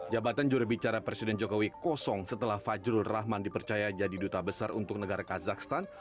jabatan jurubicara presiden jokowi kosong setelah fajrul rahman dipercaya jadi duta besar untuk negara kazakhstan